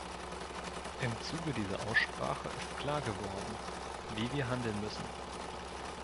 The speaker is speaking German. Im Zuge dieser Aussprache ist klar geworden, wie wir handeln müssen.